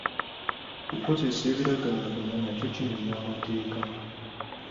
Okukozesa ebiragalalagala nakyo kimenya mateeka.